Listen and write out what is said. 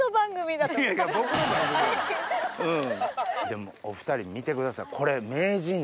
でもお２人見てくださいこれ。